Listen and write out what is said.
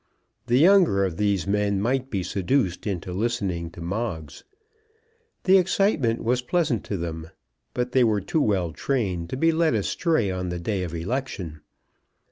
The younger of these men might be seduced into listening to Moggs. The excitement was pleasant to them. But they were too well trained to be led away on the day of election.